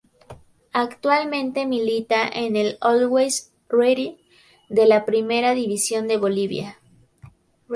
Actualmente milita en el Always Ready de la Primera División de Bolivia.